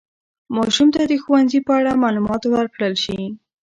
ماشوم ته د ښوونځي په اړه معلومات ورکړل شي.